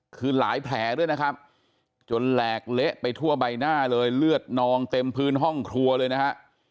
คือหลายแผลด้วยนะครับจนแหลกเละไปทั่วใบหน้าเลยเลือดนองเต็มพื้นห้องครัวเลยนะฮะ